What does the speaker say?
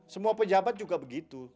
semua pejabat juga begitu